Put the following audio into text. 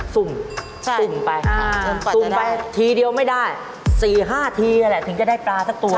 ซุ่มซุ่มไปซุ่มไปทีเดียวไม่ได้สี่ห้าทีแหละถึงจะได้ปลาสักตัว